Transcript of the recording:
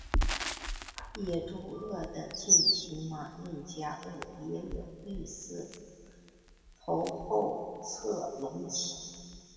野猪鳄的近亲马任加鳄也有类似的头后侧隆起。